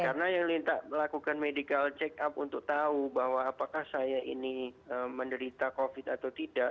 karena yang dilintas melakukan medical check up untuk tahu bahwa apakah saya ini menderita covid atau tidak